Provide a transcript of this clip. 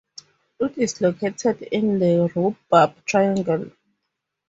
It is located in the Rhubarb Triangle.